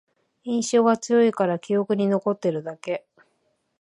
印象が強いから記憶に残ってるだけ